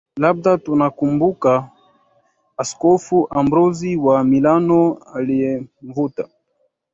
Labda tunamkumbuka Askofu Ambrosi wa Milano aliyemvuta